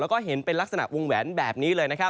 แล้วก็เห็นเป็นลักษณะวงแหวนแบบนี้เลยนะครับ